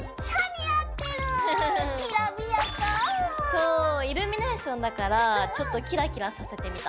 そうイルミネーションだからちょっとキラキラさせてみた。